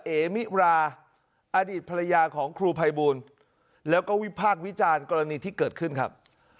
เอมิราอดีตภรรยาของครูภัยบูลแล้วก็วิพากษ์วิจารณ์กรณีที่เกิดขึ้นครับ